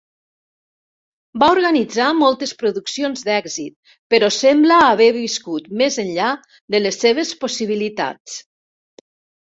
Va organitzar moltes produccions d'èxit, però sembla haver viscut més enllà de les seves possibilitats.